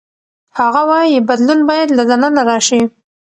هغه وايي بدلون باید له دننه راشي.